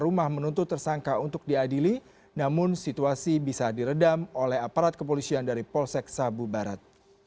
rumah menuntut tersangka untuk diadili namun situasi bisa diredam oleh aparat kepolisian dari polsek sabu barat